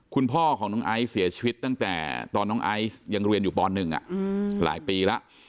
คุณพ่อของน้องไอซ์เสียชีวิตตั้งแต่ตอนน้องไอซ์ยังเรียนอยู่ป๑หลายปีแล้ว